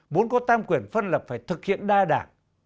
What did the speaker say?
muốn có tam quyền phân lập phải thực hiện đa đảng